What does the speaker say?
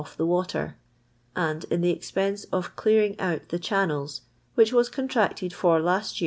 the water, and in the expense of clearing out tb* channels, which was contracted for List ve.